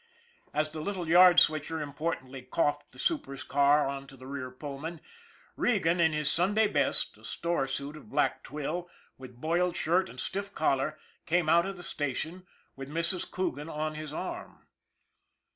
As the little yard switcher importantly coughed the super's car on to the rear Pullman, Regan, in his Sun day best, a store suit of black twill, with boiled shirt and stiff collar, came out of the station with Mrs. Coogan on his arm.